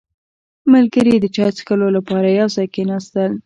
• ملګري د چای څښلو لپاره یو ځای کښېناستل.